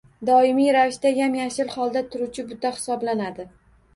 Doimiy ravishda yam-yashil holda turuvchi buta hisoblanadi.